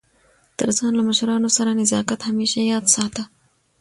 تر ځان له مشرانو سره نزاکت همېشه یاد ساته!